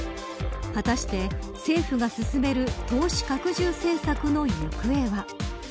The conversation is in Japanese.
果たして政府が進める投資拡充政策の行方は。